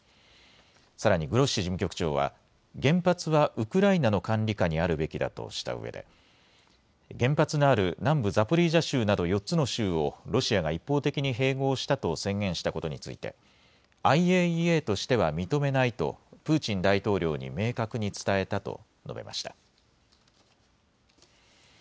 さらにグロッシ事務局長は原発はウクライナの管理下にあるべきだとしたうえで原発のある南部ザポリージャ州など４つの州をロシアが一方的に併合したと宣言したことについてＩＡＥＡとしては認めないとプーチン大統領に明確に伝えたと述べました。